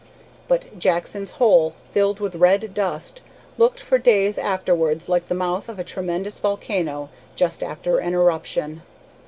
But Jackson's Hole, filled with red dust, looked for days afterwards like the mouth of a tremendous volcano just after an eruption.